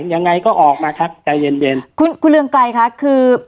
ยังไงก็ออกมาครับใจเย็นเย็นคุณคุณเรืองไกรคะคือ